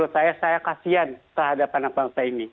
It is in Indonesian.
saya kasihan terhadap anak bangsa ini